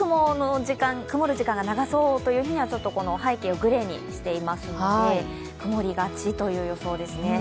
雲る時間が長そうという日には、背景をグレーにしていますので曇りがちという予想です。